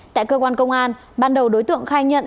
tại cơ quan công an ban đầu đối tượng khai nhận